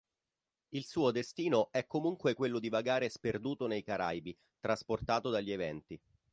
Il suo destino è comunque quello di vagare sperduto nei Caraibi trasportato dagli eventi.